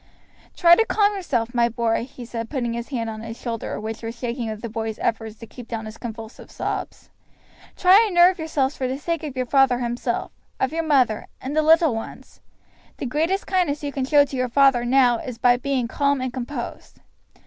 "Try to calm yourself, my boy," he said, putting his hand on his shoulder, which was shaking with the boy's efforts to keep down his convulsive sobs; "try and nerve yourselves for the sake of your father himself, of your mother, and the little ones. The greatest kindness you can show to your father new is by being calm and composed."